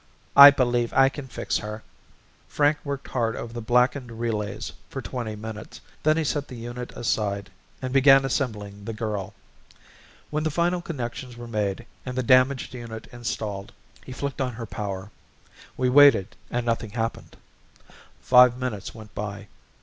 I believe I can fix her." Frank worked hard over the blackened relays for twenty minutes, then he set the unit aside and began assembling the girl. When the final connections were made and the damaged unit installed he flicked on her power. We waited and nothing happened. Five minutes went by.